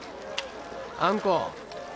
あんこ。